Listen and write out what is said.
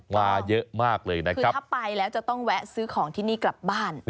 มาเยอะมากเลยนะครับคือถ้าไปแล้วจะต้องแวะซื้อของที่นี่กลับบ้าน